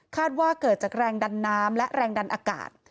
ว่าเกิดจากแรงดันน้ำและแรงดันอากาศ